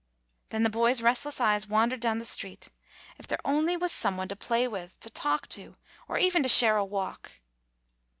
Then the boy's restless eyes wandered down the street. If there only was some one to play with, to talk to, or even to share a walk.